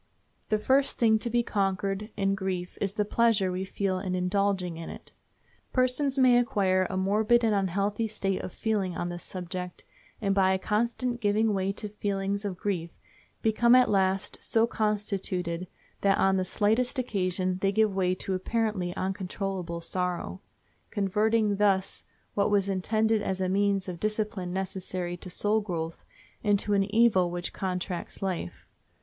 The first thing to be conquered in grief is the pleasure we feel in indulging it. Persons may acquire a morbid and unhealthy state of feeling on this subject, and by a constant giving way to feelings of grief become at last so constituted that on the slightest occasions they give way to apparently uncontrollable sorrow, converting thus what was intended as a means of discipline necessary to soul growth into an evil which contracts life.